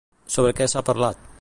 Sobre què s'ha parlat?